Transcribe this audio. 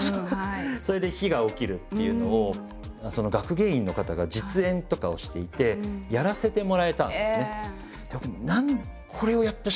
それで火がおきるっていうのを学芸員の方が実演とかをしていてやらせてもらえたんですね。